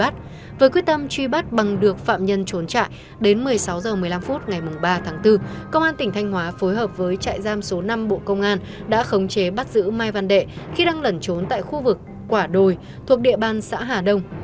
từ ba tháng bốn công an tỉnh thanh hóa phối hợp với trại giam số năm bộ công an đã khống chế bắt giữ mai văn đệ khi đang lẩn trốn tại khu vực quả đồi thuộc địa bàn xã hà đông